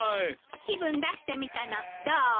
気分出してみたのどう？